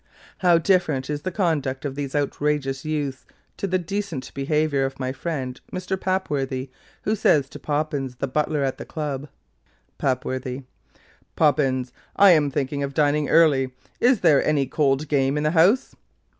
How different is the conduct of these outrageous youths to the decent behaviour of my friend, Mr. Papworthy; who says to Poppins, the butler at the Club: PAPWORTHY. 'Poppins, I'm thinking of dining early; is there any cold game in the house?'